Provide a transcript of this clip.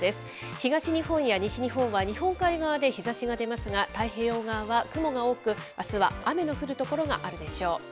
東日本や西日本は日本海側で日ざしが出ますが、太平洋側は雲が多く、あすは雨の降る所があるでしょう。